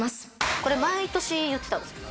これ、毎年言ってたんですよ。